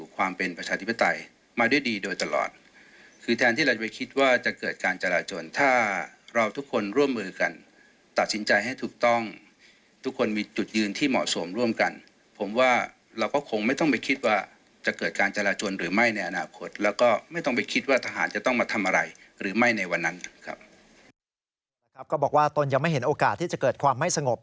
ก็บอกว่าตนยังไม่เห็นโอกาสที่จะเกิดความไม่สงบ